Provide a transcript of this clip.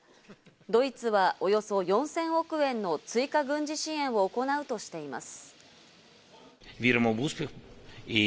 ドイツはおよそ４０００億円の追加軍事支援を行うとしています。